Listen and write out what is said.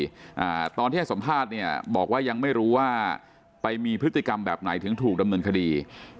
อ่าตอนที่ให้สัมภาษณ์เนี่ยบอกว่ายังไม่รู้ว่าไปมีพฤติกรรมแบบไหนถึงถูกดำเนินคดี